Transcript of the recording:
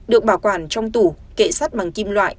được bảo quản trong tủ kệ sắt bằng kim loại